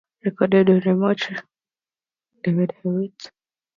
Recorded on Remote Recording Service's Black Truck with David Hewitt.